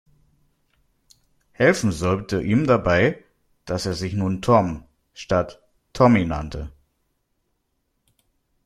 Helfen sollte ihm dabei, dass er sich nun „Tom“ statt „Tommy“ nannte.